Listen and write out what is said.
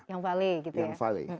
yang vali gitu ya